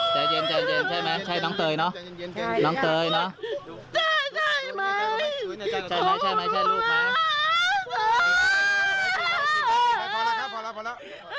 ใจเย็นใจเย็นใช่ไหมใช่น้องเตยเนอะน้องเตยเนอะ